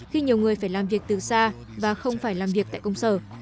khi nhiều người phải làm việc từ xa và không phải làm việc tại công sở